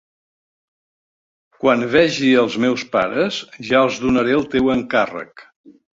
Quan vegi els meus pares, ja els donaré el teu encàrrec.